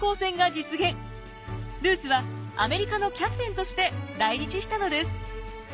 ルースはアメリカのキャプテンとして来日したのです。